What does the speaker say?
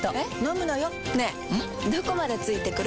どこまで付いてくる？